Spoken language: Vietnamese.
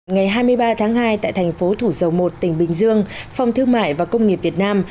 ngày hai mươi ba tháng hai tại thành phố thủ dầu một tỉnh bình dương phòng thương mại và công nghiệp việt nam